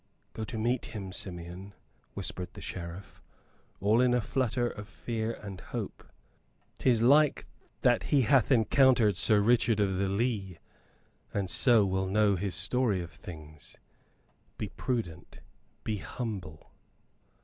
"Go to meet him, Simeon," whispered the Sheriff, all in a flutter of fear and hope. "'Tis like that he hath encountered Sir Richard of the Lee, and so will know his story of things. Be prudent, be humble."